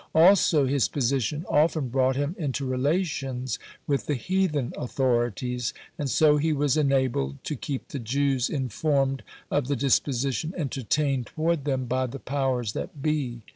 Also, his position often brought him into relations with the heathen authorities, and so he was enabled to keep the Jews informed of the disposition entertained toward them by the powers that be.